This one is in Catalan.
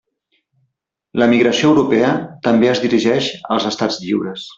L'emigració europea també es dirigeix als estats lliures.